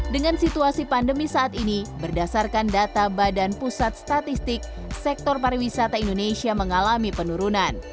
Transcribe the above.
dengan situasi pandemi saat ini berdasarkan data badan pusat statistik sektor pariwisata indonesia mengalami penurunan